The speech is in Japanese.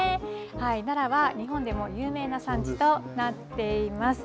奈良は日本でも有名な産地となっています。